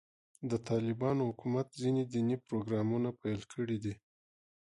د طالبانو حکومت ځینې دیني پروګرامونه پیل کړي دي.